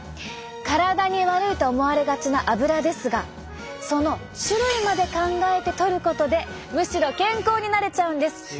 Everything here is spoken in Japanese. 体に悪いと思われがちなアブラですがその種類まで考えてとることでむしろ健康になれちゃうんです。